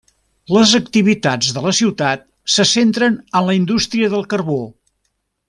Les activitats de la ciutat se centren en la indústria del carbó.